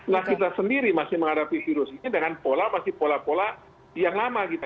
nah kita sendiri masih menghadapi virus ini dengan pola masih pola pola yang lama kita